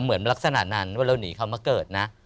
เหมือนลักษณะนั้นว่าเราหนีเขามาเกิดนะ